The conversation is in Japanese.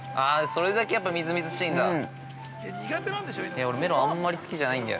◆それだけみずみずしいんだ。